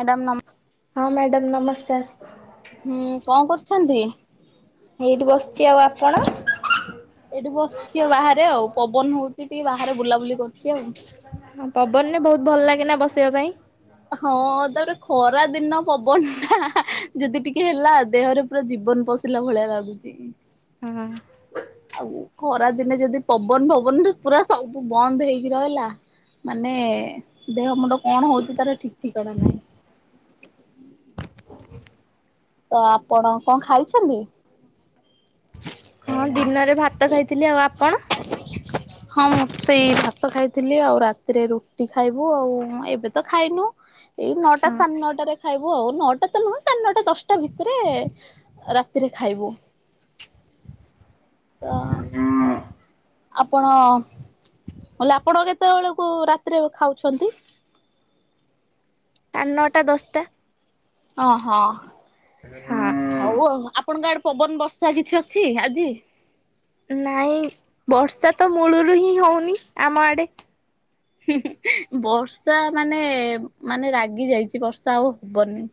Madam ନମ ହଁ madam ନମସ୍କାର। ହୁଁ କଣ କରୁଛନ୍ତି? ହେଇଠି ବସିଚି। ଆଉ ଆପଣ? ଏଇଠି ବସିଚି ଆଉ ବାହାରେ ଆଉ ପବନ ହଉଚି ଟିକେ ବାହାରେ ବୁଲାବୁଲି କରୁଚି ଆଉ। ହଁ ପବନରେବହୁତ ଭଲ ଲାଗେ ନା ବସିବା ପାଇଁ? ହଁ ତାପରେ ଖରା ଦିନ ପବନ ଟା ହା-ହା ଯଦି ଟିକେ ହେଲା ଦେହରେ ପୁରା ଜୀବନ ପସ ଶିଲା ଭଳିଆ ଲାଗୁଚି। ହୁଁ। ଆଉ ଖରା ଦିନେ ଯଦି ପବନ ଫବନ ତ ପୁରା ସବୁ ବନ୍ଦ ହେଇକି ରହିଲା ମାନେ ଦେହ ମୁଣ୍ଡ କଣ ହଉଚି ତାର ଠିକ ଠିକଣା ନାହିଁ। ତ ଆପଣ କଣ ଖାଇଛନ୍ତି? ହଁ ଦିନରରେ ଭାତ ଖାଇଥିଲି। ଆଉ ଆପଣ? ହଁ ସେଇ ଭାତ ଖାଇଥିଲି ଆଉ ରାତିରେ ରୁଟି ଖାଇବୁ ଆଉ ଏବେ ତ ଖାଇନୁ। ଏଇ ନଅଟା ହଁ ସାଢ଼େ ନଅଟାରେ ଖାଇବୁ ଆଉ ନଅଟା ତ ନୁହଁ ସାଢେ ନଅଟା ଦଶଟା ଭିତରେ ରାତିରେ ଖାଇବୁ। ତ ଆପଣ ମୁଁ କଇଲି ଆପଣ କେତେବେଳକୁ ରାତିରେ ଖାଉଛନ୍ତି? ସାଢେ଼ ନଅଟା ଦଶଟା। ଅଁ ହଁ। ହା ହଉ ଆଉ ଆପଣଙ୍କ ଆଡେ ପବନ ବର୍ଷା କିଛି ଅଛି ଆଜି? ନାଇଁ ବର୍ଷା ତ ମୂଳରୁ ହିଁ ହଉନି ଆମ ଆଡେ। ହୁଁ ହୁଁ ଆ ବର୍ଷା ମାନେ ମାନେ ରାଗି ଯାଇଚି ବର୍ଷା ଆଉ ହବନି।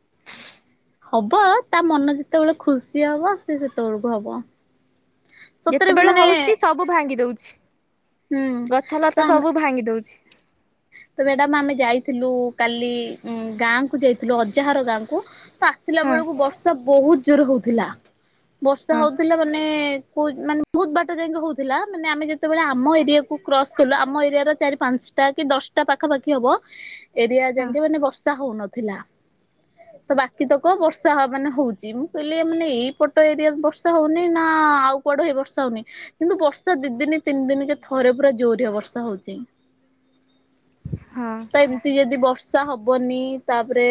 ହବ ତା ମନ ଯେତେବେଳେ ଖୁସି ହବ ସେ ସେତେବେଳକୁ ହବ। ସତରେ ଯେତେବେଳେ ମାନେ ହଉଛି ସବୁ ଭାଙ୍ଗି ଦଉଛି ହୁଁ ଗଛ ତ ଲତା ଆମେ ସବୁ ଭାଙ୍ଗି ଦଉଛି। ତ ମ୍ୟାଡାମ ଆମେ ଯାଇଥିଲୁ କାଲି ଉଁ ଗାଁ କୁ ଯାଇଥିଲୁ ଅଜା ଘର ଗାଁ କୁ। ତ ଆସିଲା ହଁ ବେଳକୁ ବର୍ଷା ବହୁତ ଜୋର ହଉଥିଲା। ବର୍ଷା ହଁ ହଉଥିଲା ମାନେ କ ମାନେ ବହୁତ ବାଟ ଯାଇକି ହୋଉଥିଲା ମାନେ ଆମେ ଯେତେବେଳେ ଆମ ଏରିଆକୁୁ କ୍ରସ୍ କଲୁ ଆମ ଏରିଆ ର ଚାରି ପାଞ୍ଚଟା କି ଦଶଟା ପାଖାପାଖି ହବ ଏରିଆ ହଁ ଯାଇକେ ମାନେ ବର୍ଷା ହଉନଥିଲା। ତ ବାକି ତକ ବର୍ଷା ମାନେ ହଉଚି ମୁଁ କହିଲି ମାନେ ଏଇପଟ ଏରିଆରେ ବର୍ଷା ହଉନି ନା ଆଉ କୁଆଡ ହେଇ ବର୍ଷା ହୋଉନି କିନ୍ତୁ ବର୍ଷା ଦିଇ ଦିନ ତିନି ଦିନ କେ ଥରେ ପୁରା ଜୋରିଆ ବର୍ଷା ହଉଚି। ହଁ। ତ ଏମିତି ଯଦି ବର୍ଷା ହେବନି ତାପରେ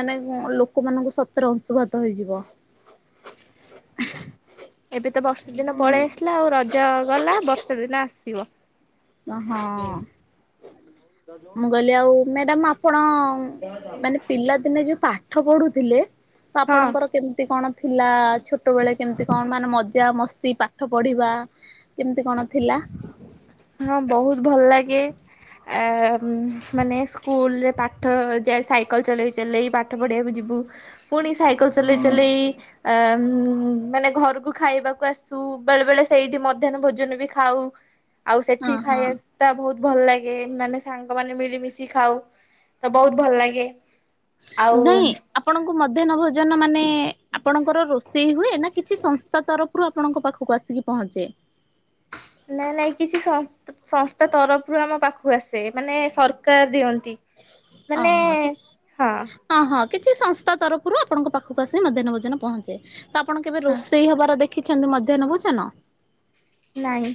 ମାନେ ଲୋକମାନଙ୍କୁ ସ ତରେ ଅଂଶୁଭାତ ହେଇଯିବ। ଏବେ ତ ବର୍ଷା ଦିନ ପଳେଇ ଆସିଲା ଆଉ ରଜ ଗଲା ବର୍ଷା ଦିନ ଆସିବ। ହଁ ମୁଁ କହିଲି ଆଉ ମ୍ୟାଡ଼ାାମ ଆପଣ ମାନେ ପିଲାଦିନେ ଯୋଉ ପାଠ ପଢୁଥିଲେ ତ ହଁ। ଆପଣଙ୍କର କେମିତି କଣ ଥିଲା ଛୋଟବେଳେ କେମିତି କଣ ମାନେ ମଜା ମସ୍ତି ପାଠ ପଢ଼ିବା କେମିତି କଣ ଥିଲା? ହଁ ବହୁତ ଭଲ ଲାଗେ ଆ ଉମ ମାନେ ସ୍କୁଲରେ ପାଠ ଯାଏ ସାଇକେଲ ଚଲେଇ ଚଲେଇ ପାଠ ପଢ଼ିବାକୁ ଯିବୁ। ପୁଣି ସାଇକେଲ ଚଲେଇ ଚଲେଇ ଆ ଉମ ମାନେ ଘରକୁ ଖାଇବାକୁ ଆସୁ ବେଳେ ବେଳେ ସେଇଠି ମଧ୍ୟାନ୍ନ ଭୋଜ ଜନ ବି ଖାଉ। ଆଉ ହଁ ସେଠି ହଁ ଖାଇଆ ଟା ବହୁତ ଭଲ ଲାଗେ ମାନେ ସାଙ୍ଗ ମାନେ ମିଳିମିଶି ଖାଉ ତ ବହୁତ ଭଲ ଲାଗେ। ଆଉ ନାଇଁ ଆପଣଙ୍କୁ ମଧ୍ୟାହ୍ନ ଭୋଜନ ମାନେ ଆପଣଙ୍କର ରୋଷେଇ ହୁଏ ନା କିଛି ସଂସ୍ଥା ତରଫ ରୁ ଆପଣଙ୍କ ପାଖକୁ ଆସିକି ପହଞ୍ଚେ? ନାଇଁ ନାଇଁ କିଛି ସ ସଂସ୍ଥା ତରଫରୁ ଆମ ପାଖକୁ ଆସେ ମାନେ ସରକାର ଦିଅନ୍ତି। ମାନେ ଅହଁ କିଛି ହଁ ହଁ କିଛି ସଂସ୍ଥା ତରଫରୁ ଆପଣଙ୍କ ପାଖକୁ ଆସିି ମଧ୍ୟାହ୍ନ ଭୋଜନ ପହଞ୍ଚେ। ତ ଆପଣ କେବେ ହଁ ରୋଷେଇ ହବାର ଦେଖିଛନ୍ତି ମଧ୍ୟାହ୍ନ ଭୋଜନ? ନାଇଁ।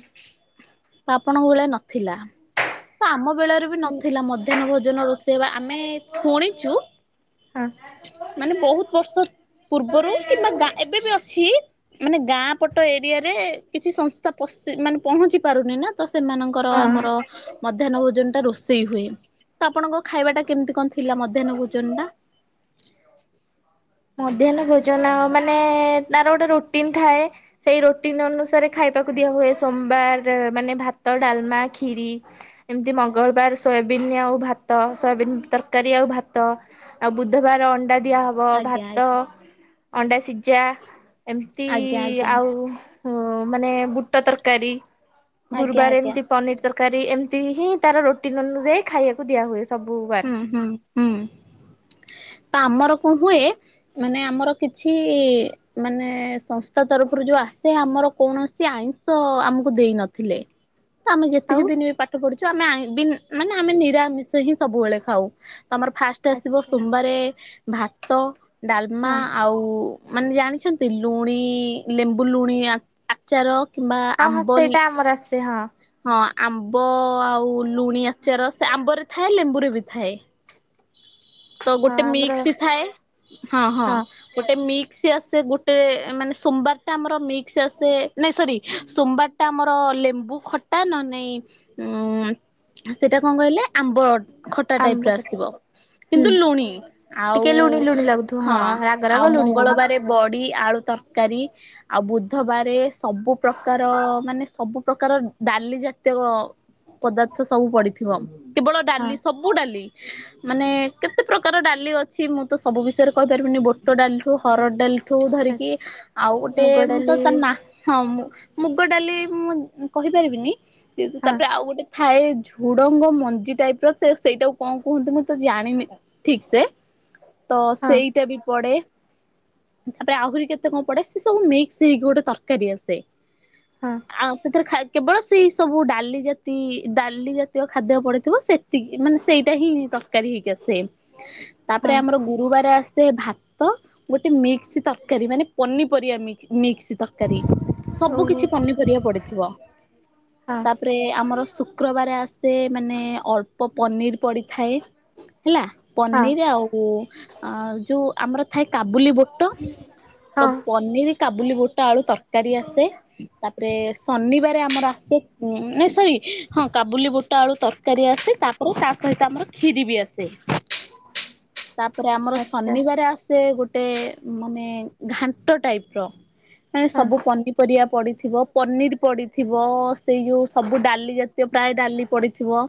ତ ଆପଣଙ୍କ ଭଳିଆ ନଥିଲା ତ ଆମ ବେଳାରେ ନଥିଲା ମଧ୍ୟାହ୍ନ ଭୋଜନ ରୋଷେଇ ବା ଆମେ ଶୁଣିଛୁ ହଁ ମାନେ ବୋହୁତ ବର୍ଷ ପୂର୍ବରୁ କିମ୍ବା ଗାଁ ଏବେ ବି ଅଛି ମାନେ ଗାଁ ପଟ ଏରିଆରେ କିଛି ସଂସ୍ଥା ପଶି ମାନେ ପହଞ୍ଚି ପାରୁନି ନା ତ ସେମାନଙ୍କର ହଁ ଆମର ମଧ୍ୟାହ୍ନ ଭୋଜନଟା ରୋଷେଇ ହୁଏ। ତ ଆପଣଙ୍କ ଖାଇବାଟା କେମତି କଣ ଥିଲା ମଧ୍ୟାହ୍ନ ଭୋଜନଟା? ମଧ୍ୟାହ୍ନ ଭୋଜନ ମାନେ ତାର ଗୋଟେ ରୋଟିନ ଥାଏ। ସେଇ ରୋଟିନ ଅନୁସାରେ ଖାଇବାକୁ ଦିଆ ହୁଏ ସୋମବାର ମାନେ ଭାତ, ଡାଲମା, ଖିରି ଏମତି ମଙ୍ଗଳବାର ସୋୟାବିନ ଆଉ ଭାତ ସୋୟାବନ ତରକାରୀ ଆଉ ଭାତ। ଆଉ ବୁଧବାର ଅଣ୍ଡା ଦିଆ ହ ଆଜ୍ଞା ଆଜ୍ଞା। ଅଣ୍ଡା ସିଜା ଏମତି ଆଜ୍ଞା ଆଜ୍ଞା ଆଉ ଆଜ୍ଞା ଓ ମାନେ ବୁଟ ତରକାରୀ ଗୁରୁବାର ଆଜ୍ଞା। ଏମତି ପନିର ତର କାରୀ ଏମତି ହିଁ ତାର ରୋଟିନ୍ ଅନୁଯାୟୀ ଖାଇବାକୁ ଦିଆହୁଏ। ଉଁ ହୁଁ। ହୁଁ ତ ଆମର କଣ ହୁଏ ମାନେ ଆମର କିଛି ମାନେ ସଂସ୍ଥା ତରଫରୁ ଯୋଉ ଆସେ ଆମର କୌଣସି ଆଇଂଷ ଆମକୁ ଦେଇ ନଥିଲେ। ହଁ ତ ଆମେ ଯେତିକି ଦିନ ବି ପାଠ ପଢୁଚୁ ଆମେ ଆଁଇ ବିନ୍ ମାନେ ଆମେ ନିରାମିଷ ହିଁ ସବୁବେଳେ ଖାଉ ତ ଆମର ଫାଷ୍ଟେ ଆସିବ ଆଚ୍ଛା ସୋମବାରେ ଭାତ ଡାଲମା ହଁ। ଆଉ ମାନେ ଜାଣିଛନ୍ତି ଲୁଣି ଲେମ୍ବୁ ଲୁଣି ଆ ଆଚାର କିମ୍ବା ହଁ ହଁ ଆମ୍ବଲ୍ ସେଇଟା ଆମର ଆସେ ହଁ। ହଁ ଆମ୍ବ ଆଉ ଲୁଣି ଆଚାର ସେ ଆମ୍ବରେ ଥାଏ ଲେମ୍ବୁରେ ବି ଥାଏ। ତ ହଁ ଗୋଟେ ଆମର ମିକ୍ସ ଥାଏ ହଁ ହଁ। ଗୋଟେ ମିକ୍ସି ଆସେ ଗୋଟେ ମାନେ ସୋମବାରଟା ଆମର ମିକ୍ସି ଆସେ ନାଇଁ ସରି ସୋମବାର ଟା ଆମର ଲେମ୍ବୁ ଖଟା ନଅନେ ନାଇଁ ଉଁ ସେଟା କଣ କହିଲେ ଆମ୍ବ ଖଟା ଆମ୍ବ ଟାଇପର କଥା ଆସିବ। ହୁଁ କିନ୍ତୁ ଲୁଣି ଆଉ ଟିକେ ଲୁଣି ଲୁଣି ଲାଗୁଥିବ ହଁ ରାଗ ଆଉ ରାଗ ଲୁଣି ଲୁଣି ମଙ୍ଗଳବାରେ ବଡି ଆଳୁ ତରକାରୀ। ଆଉ ବୁଧବାରେ ସବୁ ପ୍ରକାର ମାନେ ସବୁ ପ୍ରକାର ଡାଲି ଜେତେକ ପଦାର୍ଥ ସବୁ ପଡିଥିବ କେବଳ ହଁ ଡାଲି ସବୁ ଡାଲି ମାନେ କେତେ ପ୍ରକାର ଡାଲି ଅଛି ମୁଁ ତ ସବୁ ବିଷୟରେ କହିପାରିବିନି ବୁଟ ଡାଲିଠୁ ହରଡ଼ ଡାଲି ଠୁ ଧରିକି ଆଉ ଗୋଟେ ମୁଗ ମୁଁ ତ ଡାଲି ତା ନା ହଁ ମୁ ମୁଗ ଡାଲି ମୁଁ କହିପାରିବିନି କିତୁ ହଁ ତାପରେ ଆଉ ଗୋଟେ ଥାଏ ଝୁଡଙ୍ଗ ମଞ୍ଜି ଟାଇପର ସେ ସେଇଟାକୁ କଣ କୁହନ୍ତି ମୁଁ ତ ଜାଣିନି ଠିକସେ ତ ହଁ ସେଇଟା ବି ପଡେ। ତାପରେ ଆହୁରି କେତେ କଣ ପଡେ ସେ ସବୁ ମିକ୍ସ ହେଇକି ଗୋଟେ ତରକାରୀ ଆସେ। ହଁ। ଆ ସେଥିରେ ଖାଇ କେବଳ ସେଇ ସବୁ ଡାଲି ଜାତି ଡାଲି ଜାତୀୟ ଖାଦ୍ୟ ପଡିଥିବ ସେ ତିକି ମାନେ ସେଇଟା ହିଁ ତରକାରୀ ହେଇକି ଆସେ ତାପରେ ହଁ ଆମର ଗୁରୁବାର ଆସେ ଭା ତ ଗୋଟେ ମିକ୍ସି ତରକାରୀ ମାନେ ପନିପରିବା ମିକ୍ ମିକ୍ସି ତର କାରୀ ସବୁ ଓହୋ କିଛି ପନିପରିବା ପଡିଥିବ ହଁ ତାପ ରେ ଆମର ଶୁକ୍ରବାରେ ଆସେ ମାନେ ଅଳ୍ପ ପନିର୍ ପଡ଼ିଥାଏ। ହେଲା ହଁ ପନିର୍ ଆଉ ଯୋଉ ଆମର ଥାଏ କାବୁଲି ବୋ ଟ ତ ହଁ ପନିର୍ କାବୁଲି ବୋଟ ଆଳୁ ତରକାରୀ ଆସେ। ତାପରେ ଶନିବାରେ ଆମର ଆସେ ନାଇଁ ସରି ହଁ କାବୁଲି ବୋଟ ଆଳୁ ତର କରି ଆସେ ତାପରେ ତା ସହିତ ଆମର ଖିରି ବି ଆସେ। ତାପରେ ଆମର ଆଚ୍ଛା ଶନିବାର ଆସ ସେ ଗୋଟେ ମାନେ ଘାଣ୍ଟ ଟାଇପ୍ ର। ମାନେ ହଁ ସବୁ ପନିପରିବା ପଡିଥିବ। ପନିର୍ ପଡିଥିବ ସେଇ ଯୋଉ ସବୁ ଡାଲି ଜାତୀୟ ପ୍ରାୟ ଡାଲି ପଡିଥିବ।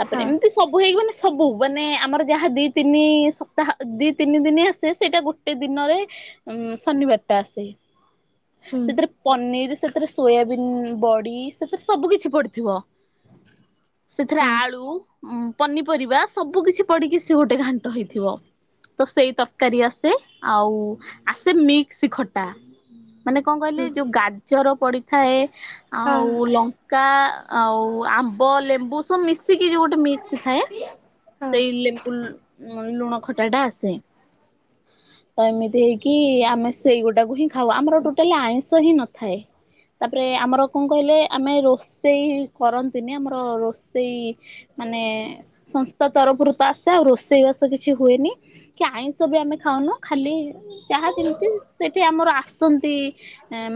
ତାପରେ ହଁ ଏମିତି ସବୁ ହେଇକି ମାନେ ସବୁ। ବନେ ଆମର ଯାହା ଦି ତିନି ସପ୍ତାହ ଦି ତିନି ଦିନ ଆସେ ସେଇଟା ଗୋଟେ ଦିନରେ ଉ ଶନିବାର ଟା ଆସେ ହୁଁ ସେଥିରେ ପନିର୍ ସେଥିରେ ସୋୟାବିନ୍ ବଡି ସେଥିରେ ସବୁ କିିଛି ପଡିଥିବ। ସେଥିରେ ହଁ ଆଳୁ ପନିପରିବା ସବୁ କିଛି ପଡିକି ସେ ଗୋଟେ ଘାଣ୍ଟ ହେଇଥିବ। ତ ସେଇ ତରକାରୀ ଆସେ ଆଉ ଆସେ ମିକ୍ସ ଖଟା। ମାନେ କଣ କହିଲେ ହୁଁ ଯୋଉ ଗାଜର ପଡିଥାଏ ହଁ ଆଉ ଲ କା ଆଉ ଆମ୍ବ ଲେମ୍ବୁ ସବୁ ମିଶିକି ଯୋଉ ଗୋଟେ ମିକ୍ସ ଥାଏ। [inaudible] ସେଇ ଲେମ୍ବୁ ଲୁଣ ଖଟା ଟା ଆସେ। ତ ଏମିତି ହେଇକି ଆମେ ସେଇଗୁଟାକୁ ହିଁ ଖାଉ ଆମର ଆଉ ଟୋଟାଲି ଆଇଁଷ ହିଁ ନଥାଏ। ତାପରେ ଆମର କଣ କହିଲେ ଆମେ ରୋଷେଇ କରନ୍ତିନି ଆମର ରୋଷେଇ ମାନେ ସ ତ ତରଫରୁ ତ ଆସେ ଆଉ ରୋଷେଇବାସ କିଛି ହୁଏନି କି ଆଇଁଷ ବି ଆମେ ଖାଉନୁ ଖାଲି ଯାହା ଯେମିତି ସେଠି ଆମର ଆ ଆସନ୍ତି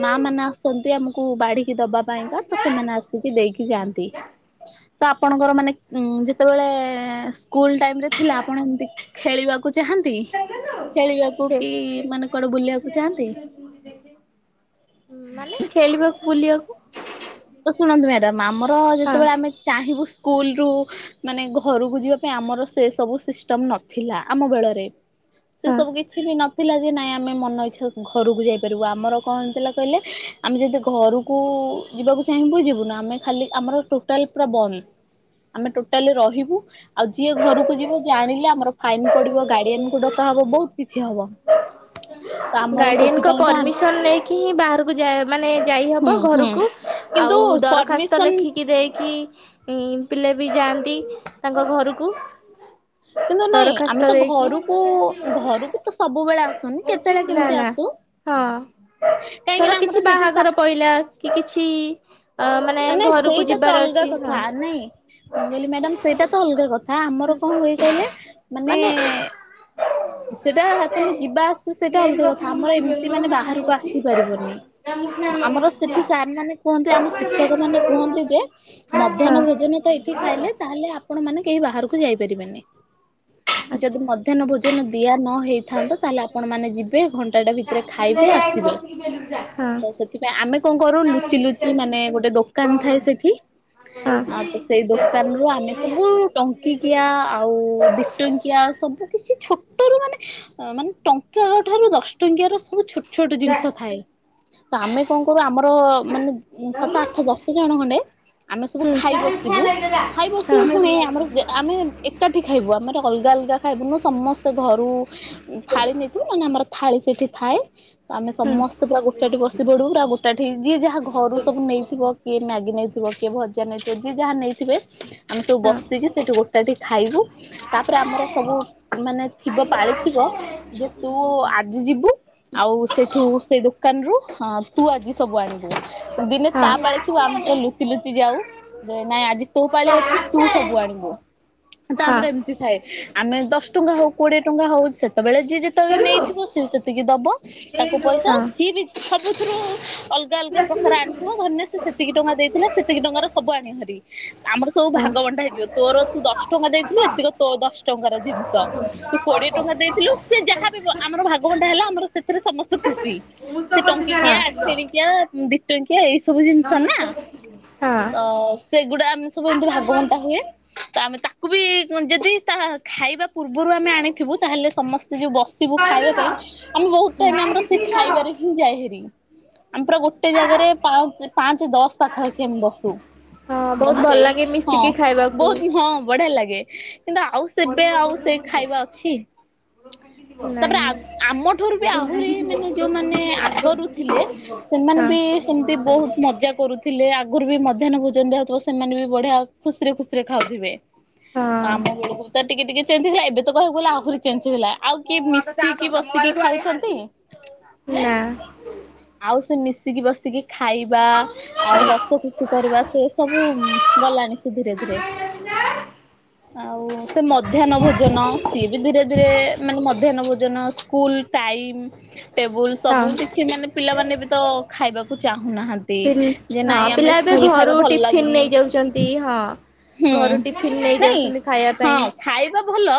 ମା ମାନେ ଆସନ୍ତି ଆମକୁ ବାଢିକି ଦବା ପାଇଁକା ତ ସେମାନେ ଆସ ଦେଇକି ଯାଆନ୍ତି ତ ଆପଣଙ୍କର ମାନେ ଉ ଯେତେବେଳେ ସ୍କୁଲ ଟାଇମରେ ଥିଲା ଆପଣ ଏମତି ଖେଳିବାକୁ ଚାହାନ୍ତି ଖେଳିବାକୁ କୋ ଖେ କି ମାନେ କୁଆଡେ ବୁଲିବାକୁ ଚାହାନ୍ତି। ମାନେ ଖେଳିବାକୁ ବୁଲିବାକୁ। ତ ଶୁଣନ୍ତୁ ମ୍ୟାଡାମ୍ ଆମର ହଁ ଯେତେବେଳେ ଆମେ ଚାହିଁବୁ ସ୍କୁଲ ରୁ ମାନେ ଘରକୁ ଯିବା ପାଇଁ ଆମର ସେ ସବୁ ସିଷ୍ଟମ ନଥିଲା ଆମ ବେଳରେ। ସେ ହଁ ସବୁ କି କିଛି ବି ନଥିଲା ଯେ ନାଇଁ ଆମେ ମନ ଇଚ୍ଛା ଘରକୁ ଯାଇପାରିବୁ ଆମର କଣ ହେଇଥିଲା କହିଲେ। ଆମେ ଯଦି ଘରକୁ ଯିବାକୁ ଚାହିଁ ବୁ ଯିବୁନି ଆମେ ଖାଲି ଆମର ଟୋଟାଲ ପୁରା ବନ୍ଦ। ଆମେ ଟୋଟାଲି ରହିବୁ। ଆଉ ଯିଏ ଘରକୁ ଯିବ ଜାଣିଲେ ଆମର ଫାଇନ୍ ପଡିବ ଗାର୍ଡିଆନକୁ ଡକା ହବ ବହୁତ କିଛି ହବ। [unintelligible] ତ ଆମର ଗାର୍ଡିଆନଙ୍କ ସେଥିପାଇଁକା ପରମିସନ ନେଇକି ହିଁ ବାହାରକୁ ଯା ମାନେ ହୁଁ ଯାଇହବ ହୁଁ ଘରକୁ। କିନ୍ତୁ ଆଉ ଦରଖାସ୍ତ ପରମିସନ ଲେଖିକି ଦେଇକି ପିଲା ବି ଯାଆନ୍ତି ତାଙ୍କ ଘରକୁ। କିନ୍ତୁ ନାଇଁ ଦରଖାସ୍ତ ଆମେ ତ ଦେଇକି ଘରକୁ ଘରକୁ ତ ସବୁବେଳେ ଆସ ନା ନା ହଁ କାହିଁକି ଧର ନା ଆମର କିଛି ସେଠି ସା ବାହାଘର ପଇଲା। କି କିଛି ଅ ମାନେ ନାଇଁ ଘରକୁ ସେଇଟା ତ ଯିବାର ଅଲଗା ଅଛି ହଁ କଥା ନାଇଁ ମୁଁ କହିଲି ମ୍ୟାଡାମ୍ ସେଇଟା ତ ଅଲଗା କ ଥା ଆମର କଣ ହୁଏ କହିଲେ ମାନେ ସେଟା ତମେ ଯିବାଆସି ସେଇଟା ଏଇଠି ଅଲଗା କଥା ବସିକି ଆମର ଏମିତି ଲୁଟିବେଲୁ ମାନେ ମାମାଇ ବାହାରକୁ ଅଛି ଆସିପାରିବନି ତା ମୁଁ ଫ୍ୟାନ ଲଗେଇ ଆମର ଦେଇଛି ଯା। ସେଠି ସାର୍ ମାନେ କୁହନ୍ତି ଆମ ଶିକ୍ଷକ ମାନେ କୁହନ୍ତି ଯେ ହଁ ମଧ୍ୟାହ୍ନ ଭୋଜନ ତ ଏଠି ଖାଇଲେ ତାହେଲେ ଆପଣ ମାନେ କେହି ବାହାରକୁ ଯାଇପାରିବେନି। ଯଦି ଆଚ୍ଛା। ମଧ୍ୟାହ୍ନ ଭୋଜନ ଦିଆ ନ ହେଇଥାନ୍ତା ତାହେଲେ ଆ ଆପଣ ମାନ ଯିବେ ଘଣ୍ଟାଟା ଭିତରେ ଖାଇବେ ଆସିବେ। ସେଥିପାଇଁ ଆମେ କଣ କରୁ ଲୁଚି ଲୁଚି ମାନେ ଗୋଟେ ଦୋକାନ ଥାଏ ସେଠି। ଆଉ ତ ସେଇ ଦୋକାନରୁୁ ଆମେ। ସବୁ ଟଙ୍କିକିଆ ଆଉ ଦିଟଙ୍କିଆ ସବୁ କିଛି ଛୋ ଟରୁ ମାନେ ମାନେ ଟଙ୍କା ଠାରୁ ଦଶ ଟଙ୍କିଆ ର ସବୁ ଛୋଟ ଛୋଟ ଜିନିଷ ଥାଏ। ତ ଆମେ କଣ କରୁ ଆମର ମାନେ ସାତ ଆଠ ଦଶ ଜଣ ଖଣ୍ଡେ। ଆମେ ସବୁ ଖାଇ ବସିବୁ ଖାଇ ବସିବୁ ପୁଣି ଆମର ଜେ ଆମେ। ଏକାଠି ଖାଇବୁ ଆମେ ଅଲଗା ଅଲଗା ଖାଇବୁନ ସମସ୍ତେ ଘରୁ ଥାଳି ନେଇଥିବୁ ନ ଆମର। ଥାଳି ସେଠି ଥାଏ ଆମେ ସମସ୍ତେ ପର ଗଟାଠି ବସି ପଡୁ ଆଉ ଗୋଟାଠି ଯିଏ ଯାହା ଘରୁ ସବୁ ନେଇଥିବ କିଏ ମ୍ୟାଗି ନେଇଥିବ କିଏ ଭଜା ନେଇଥିବ ଯିଏ ଯାହା ନେଇଥିବ। ଥିବେ ଆମେ ସବୁ ବସିକି ସେଇଠି ଗୋଟାଟି ଖାଇବୁ ତାପରେ ଆମର ସବୁ ମାନେ। ଥିବ ପାଳିଥିବ ଯେ ତୁ ଆଜି ଯିବୁ ଆଉ ସେଇଠୁ ସେଇ ଦୋକାନରୁୁ ତୁ ଆଜି ସବୁ ଆଣିବୁ ଦିନେ ତାପଲି। ତୁ ଆମୁର ଲୁଚି ଲୁଚି ଯାଉ ଯେ ନାଇଁ ଆଜି ତୋ ପାଳି ଅଛି ତୁ ସବୁ ଆଣିବୁ। ତ ଆମର ଏମିତି ଥାଏ ଆମେ ଦଶ ଟଙ୍କା ହଉ। କୋଡିଏ ଟଙ୍କା ହଉଛି ସେତେବେଳେ ଯିଏ ଯେତେବେଳେ ନେଇଥିବ ସିଏ ସେତିକି ଦବ। ତାକୁ ପଇସା ଯିଏ ବି ସବୁଥିରୁ ଅଲଗା ଅଲଗା ପ୍ରକାର ଆଣିଥିବ ଧନ୍ୟ ସେ। ସେତିକି ଟଙ୍କା ଦେଇଥିଲା ସେତିକି ଟଙ୍କାର ସବୁ ଆଣି ହରି ଆମର ସବୁ ଭାଗ ବଣ୍ଟା ହେଇଯିବ। ତୋର ତୁ ଦଶ ଟଙ୍କା ଦେଇଥିଲୁ ଏତିକ ତୋ ଦଶ ଟଙ୍କାର ଜିନିଷ। କୋଡିଏ ଟଙ୍କା ଦେଇଥିଲୁ ସେ ଯାହା ବି ଆମର ଭାଗବଣ୍ଟା ହେଲା ଆମର ସେଥିରେ ସମସ୍ତେ ଖୁସି। ମୁଁ ତ ସେ ପଛେ ସାରା ଟଙ୍କିକିଆ ଆସିବୁ ର ଆଖେରିକିଆ ଦି ଟଙ୍କିଆ ଏଇ ସବୁ ଜିନିଷ ମୁଁ ନା? ତୋ ପଛେ ଯିବି। ହଁ। ଅ ସେଗୁଡା ଆମେ ସବୁ ହଁ ଏମିତି ଭାଗମଣ୍ଟା ହୁଏ। ତ ଆମେ ତାକୁ ବି ଯଦି ତା ଖାଇବା। ପୂର୍ବରୁ ଆମେ ଆଣିଥିବୁ ତାହେଲେ ସମସ୍ତେ ଯେଉଁ ବସିବୁ ଖାଇବା ପାଇଁ। ଆମେ ବହୁତ ଟାଇମ ଆମର ସେ ଖାଇବାରେ ହିଁ ଯାଇ ହେରି। ଆମର ଗୋଟେ ଜାଗାରେ ପା ପାଞ୍ଚ ଦଶ ପାଖାପାଖି ଆମେ ବସୁ। ବହୁତ ଭଲ ସେଇ ଲାଗେ ହଁ ମିଶିକି ଖାଇବାକୁ ବହୁତ ହଁ ବଢିଆ ଲାଗେ। କିନ୍ତୁ ଆଉ ସେବେ ଆଉ ସେ ଖାଇବା ଅଛି। [inaudible] ତାପରେ ଆମଠୁରୁ ବି ଆହୁରି ମାନେ ଯୋଉମାନୋନ ଆଗରୁ ଥିଲେ ସେମାନେ ହଁ ବି ସେମତି ବୋହୁତ ମଜା କରୁ ଥିଲେ ଆଗୁରୁ ବି ମଧ୍ୟାହ୍ନ ଭୋଜନ ଯାହଉଥିବ ସେମାନେ ବି ବଢିଆ ଖୁସିରେ ଖୁସିରେ ଖାଉଥିବେ। ତ ଆମେ ହଁ [unintelligible] ତ ଟିକେ ଟିକେ ଚଞ୍ଜ ହେଇଗଲା ଏବେ ତ କହିବାକୁ ଗଲେ ଆହୁରି ଚେଞ୍ଜ ହେଇଗଲା। ଆଉ କିଏ ମିଶିକି ବସିକି ଖୁଇଚନ୍ତି? ନା। ଆଉ ସେ ମିଶିକି ବସିକି ଖାଇବା ଆଉ ହସ ଖୁସି କରିବା ସେ ସବୁ ଉଁ ଗଲାଣି ସେ ଧୀରେ ଧୀରେ। ଆଉ ସେ ମ ଧ୍ୟାନ୍ନ ଭୋଜନ ସିଏ ବି ଧୀରେ ଧୀରେ ମାନେ ମଧ୍ୟାନ୍ନ ଭୋଜନ ସ୍କୁଲ ଟାଇମ୍ ଟେବୁଲ୍ ହଁ ସବୁ କିଛି ମାନେ ପିଲାମାନେ ବି ତ ଖାଇବାକୁ ଚାହୁଁନାହାଁ ତି ପିଲ୍ ଯେ ହଁ ନାଇଁ ପିଲା ଆମେ ଏବେ ସ୍କୁଲ୍ ଘରୁ ଖାଇବା ଭଲ ଟିଫିନ ଲାଗୁନି। ନେଇଯାଉଛନ୍ତି ହଁ। ହୁଁ ଘରୁ ଟିଫିନ ନାଇଁ ନେଇଯାଉଛନ୍ତି ଖାଇବା ହଁ ପାଇଁ ଖାଇବା ଭଲ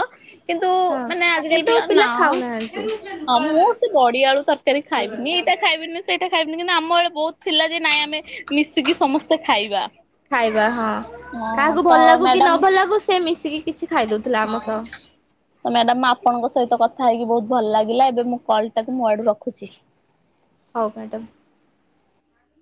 କିନ୍ତୁ ହଁ ମାନେ ଆଜିକାଲି କିନ୍ତୁ ପିଲା ନା ଖାଉନାହାନ୍ତି। ହଁ ମୁଁ ସେ ବଡିଆଳୁ ତର କରି ଖାଇବିନି ଏଇଟା ଖାଇବିନି ସେଇଟା ଖାଇବିନି କିନ୍ତୁ ଆମ ବଳେ ବହୁତ ଥିଲା ଯେ ନାଇଁ ଆମେ ମିଶିକି ସମସ୍ତେ ଖାଇବା। ଖାଇବା ହଁ ହଁ କାହାକୁ ତ ଭଲ ଲାଗୁ କି ନ ମ୍ୟାଡାମ ଭଲ ଲାଗୁ ସେ ମିଶିକି କିଛି ଖାଇଦଉ ହଁ। ତ ମ୍ୟାଡାମ ଆପଣଙ୍କ ସହିତ କଥା ହେଇକି ବହୁତ ଭଲ ଲାଗିଲା ଏବେ ମୁ କଲ ଟାକୁ ମୋ ଆଡୁ ରଖୁଚି। ହଉ ମ୍ୟାଡ଼ମ୍